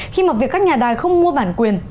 khi mà việc các nhà đài không mua bản quyền